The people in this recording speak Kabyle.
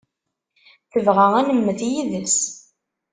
Tebɣa ad nemmet yid-s.